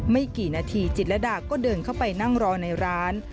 ไม่กี่นาทีจิตรดาก็เดินเข้าไปนั่งรอในร้าน